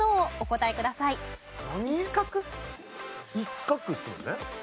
一画ですもんね？